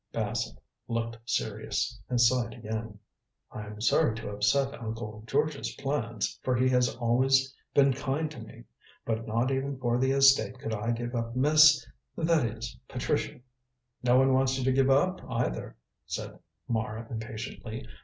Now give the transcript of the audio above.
Basil looked serious and sighed again. "I'm sorry to upset Uncle George's plans, for he has always been kind to me. But not even for the estate could I give up Miss that is, Patricia." "No one wants you to give up either," said Mara impatiently.